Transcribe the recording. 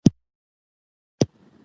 تاسو بېټ نیکه پيژنئ.